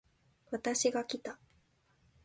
私がきた